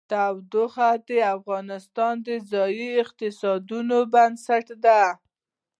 تودوخه د افغانستان د ځایي اقتصادونو بنسټ دی.